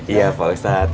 iya pak ustadz